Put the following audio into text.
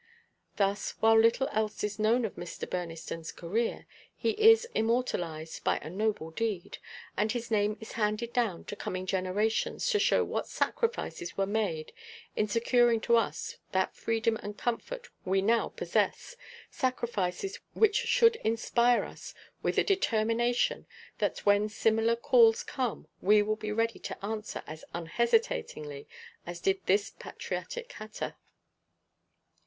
Thus, while little else is known of Mr. Burneston's career, he is immortalized by a noble deed, and his name is handed down to coming generations to show what sacrifices were made in securing to us that freedom and comfort we now possess, sacrifices which should inspire us with the determination that when similar calls come we will be ready to answer as unhesitatingly as did this patriotic hatter.